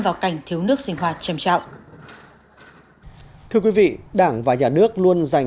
vào cảnh thiếu nước sinh hoạt trầm trọng thưa quý vị đảng và nhà nước luôn dành